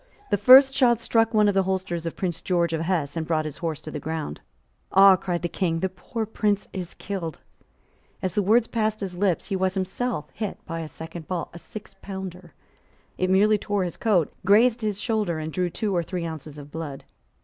The first shot struck one of the holsters of Prince George of Hesse, and brought his horse to the ground. "Ah!" cried the King; "the poor Prince is killed." As the words passed his lips, he was himself hit by a second ball, a sixpounder. It merely tore his coat, grazed his shoulder, and drew two or three ounces of blood.